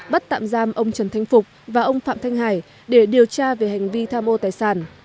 bắt tạm giam ông trần thanh phục và ông phạm thanh hải để điều tra về hành vi tham ô tài sản